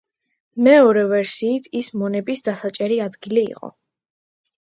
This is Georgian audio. მეორე ვერსიით, ის მონების დასაჭერი ადგილი იყო.